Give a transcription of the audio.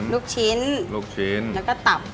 ลูกชิ้นนักก็ตับ